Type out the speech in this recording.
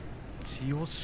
千代翔